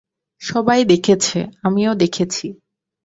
সবাই দেখেছে, আমিও দেখেছি।